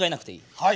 はい。